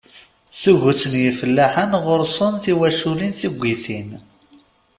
Tuget n yifellaḥen ɣur-sen tiwaculin tuggitin.